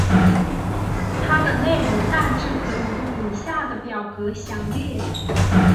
它的内容大致可以用以下的表格详列。